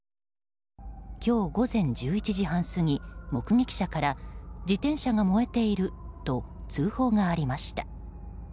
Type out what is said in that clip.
今日午前１１時半過ぎ目撃者から自転車が燃えていると通報がありました。